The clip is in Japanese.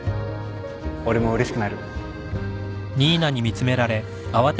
俺もうれしくなる。